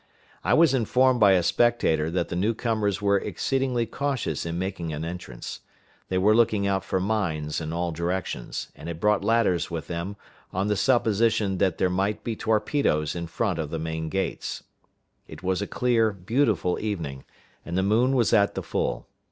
I was informed by a spectator that the new comers were exceedingly cautious in making an entrance. They were looking out for mines in all directions, and had brought ladders with them, on the supposition that there might be torpedoes in front of the main gates. It was a clear, beautiful evening, and the moon was at the full.